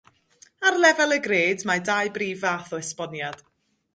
Ar lefel y gred, mae dau brif fath o esboniad.